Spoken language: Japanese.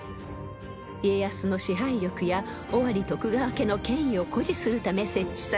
［家康の支配力や尾張徳川家の権威を誇示するため設置されたといわれています］